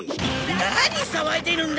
何騒いでるんだい！？